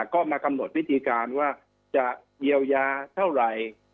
ก็มากำหนดวิธีการว่าจะเยียวยาเท่าไหร่